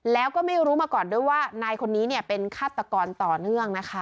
แล้วก็ไม่รู้มาก่อนด้วยว่านายคนนี้เป็นฆาตกรต่อเนื่องนะคะ